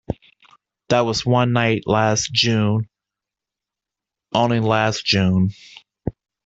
There was one night last June — only last June!